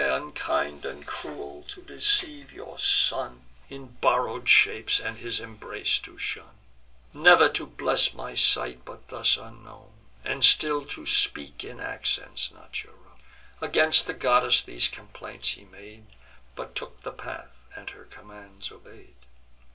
Unkind and cruel! to deceive your son In borrow'd shapes, and his embrace to shun; Never to bless my sight, but thus unknown; And still to speak in accents not your own." Against the goddess these complaints he made, But took the path, and her commands obey'd.